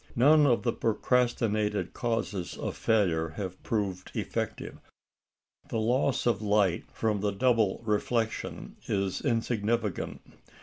None of the prognosticated causes of failure have proved effective. The loss of light from the double reflection is insignificant.